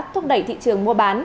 thúc đẩy thị trường mua bán